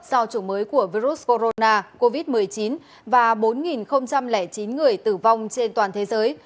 do chủng mới của virus corona covid một mươi chín và bốn chín người tử vong trên toàn thế giới